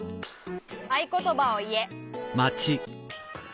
「あいことばをいえ」。